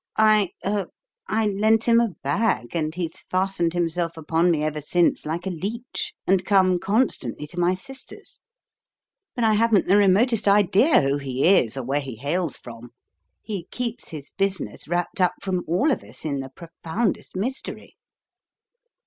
I er I lent him a bag, and he's fastened himself upon me ever since like a leech, and come constantly to my sister's. But I haven't the remotest idea who he is or where he hails from. He keeps his business wrapped up from all of us in the profoundest mystery."